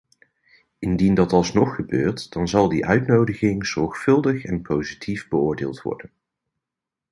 Indien dat alsnog gebeurt, dan zal die uitnodiging zorgvuldig en positief beoordeeld worden.